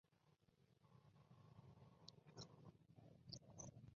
El gerente general es Carlos Nicolás Mejía Ochoa.